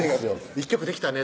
「１曲できたね」